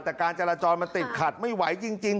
แต่การจราจรมันติดขัดไม่ไหวจริง